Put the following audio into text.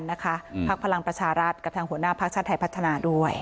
จับไม้จับมือกันนะคะภาคพลังประชารัฐกับทางหัวหน้าภาคชาติไทยพัฒนาด้วย